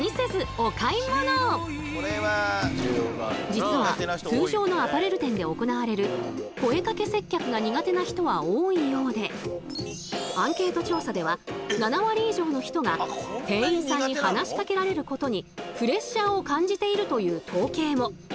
実は通常のアパレル店で行われるアンケート調査では７割以上の人が店員さんに話しかけられることにプレッシャーを感じているという統計も。